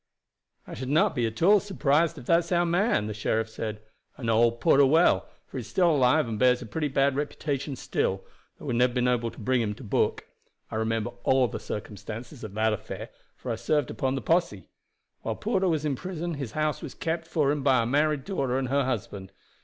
"I should not be at all surprised if that's our man," the sheriff said. "I know old Porter well, for he is still alive and bears a pretty bad reputation still, though we have never been able to bring him to book. I remember all the circumstances of that affair, for I served upon the posse. While Porter was in prison his house was kept for him by a married daughter and her husband.